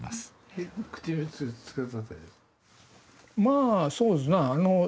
まあそうですな